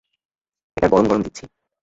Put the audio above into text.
এটা গরম গরম দিচ্ছি।